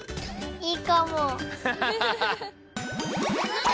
いいかも。